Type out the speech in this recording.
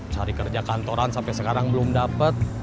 cari kerja kantoran sampai sekarang belum dapat